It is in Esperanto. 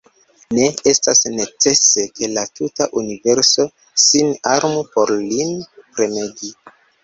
Ne estas necese, ke la tuta universo sin armu, por lin premegi.